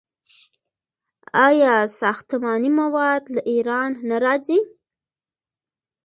آیا ساختماني مواد له ایران نه راځي؟